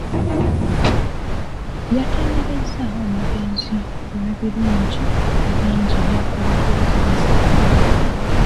Yatenderezza omugenzi olw'ebirungi ebingi by’akoledde ekkanisa.